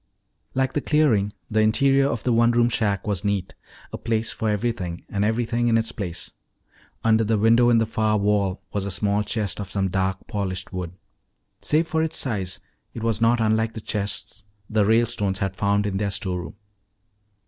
Like the clearing, the interior of the one room shack was neat, a place for everything and everything in its place. Under the window in the far wall was a small chest of some dark polished wood. Save for its size, it was not unlike the chests the Ralestones had found in their store room.